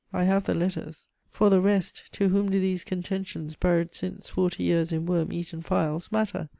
I have the letters. For the rest, to whom do these contentions, buried since forty years in worm eaten files, matter?